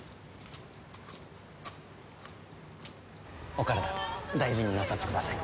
お体大事になさってください。